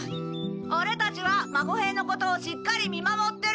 オレたちは孫兵のことをしっかり見守ってる。